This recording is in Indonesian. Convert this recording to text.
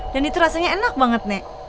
dan itu rasanya enak banget nek